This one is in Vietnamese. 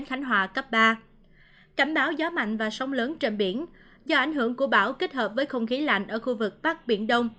cảnh báo gió mạnh và sóng lớn trên biển do ảnh hưởng của bão kết hợp với không khí lạnh ở khu vực bắc biển đông